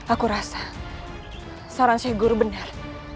aku rasa saran sheikh guru benar